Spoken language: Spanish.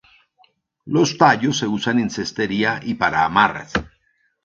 Los tallos se usan en cestería y para amarras.